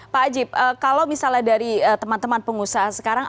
pak ajib kalau misalnya dari teman teman pengusaha sekarang